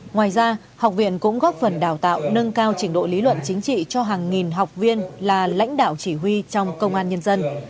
ngoài ra học viện cũng góp phần đào tạo nâng cao trình độ lý luận chính trị cho hàng nghìn học viên là lãnh đạo chỉ huy trong công an nhân dân